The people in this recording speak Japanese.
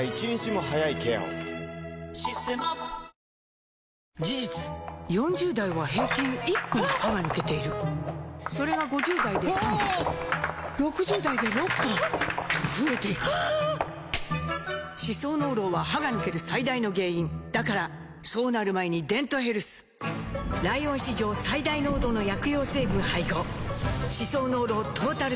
「システマ」事実４０代は平均１本歯が抜けているそれが５０代で３本６０代で６本と増えていく歯槽膿漏は歯が抜ける最大の原因だからそうなる前に「デントヘルス」ライオン史上最大濃度の薬用成分配合歯槽膿漏トータルケア！